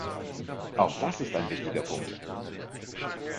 Auch das ist ein wichtiger Punkt.